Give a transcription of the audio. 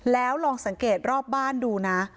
แล้วลองสังเกตรอบบ้านดูนะ